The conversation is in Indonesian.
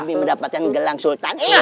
demi mendapatkan gelang sultan